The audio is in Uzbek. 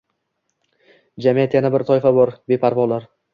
Jamiyatda yana bir toifa bor: beparvolar.